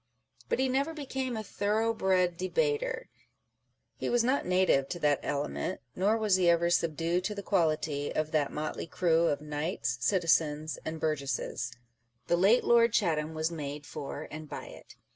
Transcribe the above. But he never became a thorough bred debater. He was not " native to that element," nor was he ever " subdued to the quality " of that motley crew of knights, citizens, and burgesses. The late Lord Chatham was made for, and by it.